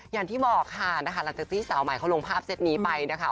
อย่างที่บอกค่ะนะคะหลังจากที่สาวใหม่เขาลงภาพเซ็ตนี้ไปนะคะ